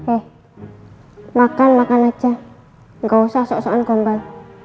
eh makan makan aja gak usah sok soan gombal